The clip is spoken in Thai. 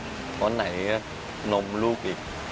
โดยเฉพาะเรื่องหนีสินที่ต้องกู้ยืมมาจากนอกประบบมาเป็นค่าประกันตัว